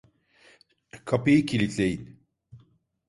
Kapıyı kilitleyin.